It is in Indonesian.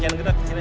itu instruksi ya